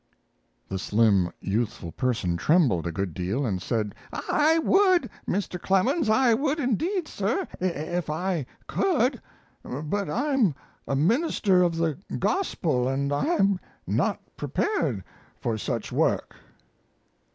The slim, youthful person trembled a good deal, and said: "I would, Mr. Clemens, I would indeed, sir, if I could. But I'm a minister of the Gospel, and I'm not prepared for such work."